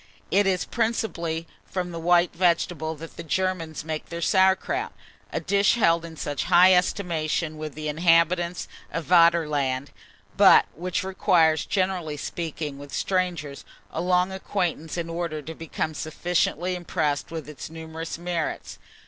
It is principally from the white vegetable that the Germans make their sauer kraut; a dish held in such high estimation with the inhabitants of Vaderland, but which requires, generally speaking, with strangers, a long acquaintance in order to become sufficiently impressed with its numerous merits.